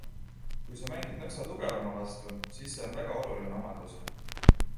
Kui sa mängid nõksa tugevama vastu, siis see on väga oluline omadus.